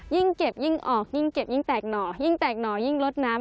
ยิ่งเก็บยิ่งออกยิ่งเก็บยิ่งแตกหน่อยิ่งแตกหน่อยิ่งลดน้ำ